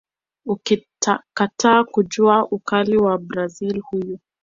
Ukitakata kujua ukali wa Mbrazil huyu